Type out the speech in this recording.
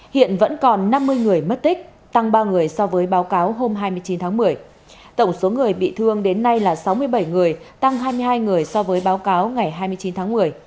hiện vẫn còn năm mươi người mất tích tăng ba người so với báo cáo hôm hai mươi chín tháng một mươi tổng số người bị thương đến nay là sáu mươi bảy người tăng hai mươi hai người so với báo cáo ngày hai mươi chín tháng một mươi